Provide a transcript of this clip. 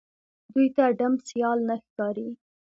دوی ته ډم سيال نه ښکاري